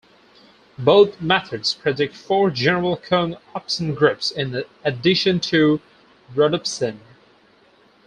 Both methods predict four general cone opsin groups in addition to rhodopsin.